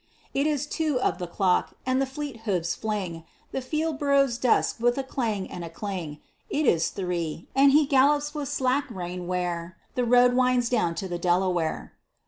It is two of the clock; and the fleet hoofs fling The Fieldboro's dust with a clang and a cling; It is three; and he gallops with slack rein where The road winds down to the Delaware.